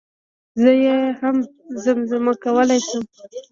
زه يي هم زم زمه کولی شم